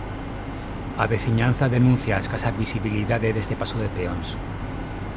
A veciñanza denuncia a escasa visibilidade deste paso de peóns.